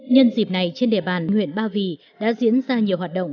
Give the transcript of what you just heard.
nhân dịp này trên địa bàn huyện ba vì đã diễn ra nhiều hoạt động